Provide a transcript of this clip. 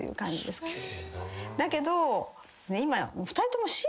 だけど今。